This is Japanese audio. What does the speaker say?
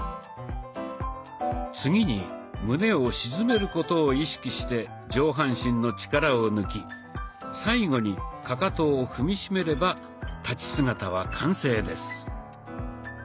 次に胸を沈めることを意識して上半身の力を抜き最後にかかとを踏み締めれば立ち姿は完成です。